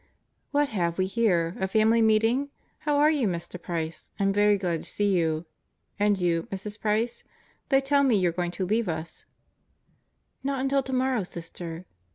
"What have we here a family meeting? How are you, Mr. Price? I'm very glad to see you. And you, Mrs. Price? They tell me you're going to leave us " "Not until tomorrow, Sister."